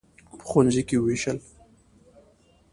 په ښوونځیو کې ووېشل.